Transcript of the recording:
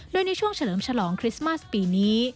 โดยในช่วงเฉลิมฉลองคริสต์มาสปีนี้